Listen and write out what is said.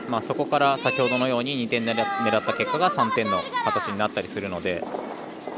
そこから先ほどのように２点狙った結果が３点の形になったりするので。